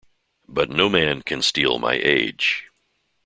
But no man can steal my age.